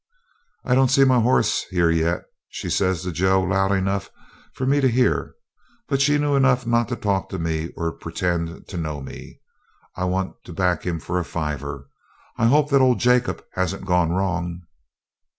'I don't see my horse here yet,' she says to Joe, loud enough for me to hear; but she knew enough not to talk to me or pretend to know me. 'I want to back him for a fiver. I hope that old Jacob hasn't gone wrong.'